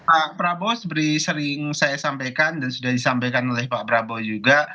pak prabowo seperti sering saya sampaikan dan sudah disampaikan oleh pak prabowo juga